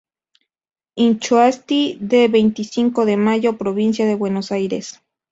Inchausti" de Veinticinco de Mayo, Provincia de Buenos Aires.